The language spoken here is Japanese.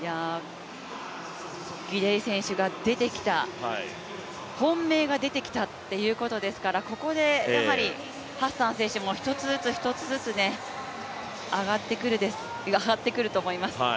ギデイ選手が出てきた、本命が出てきたっていうことですからここでハッサン選手も一つずつ一つずつ上がってくると思います。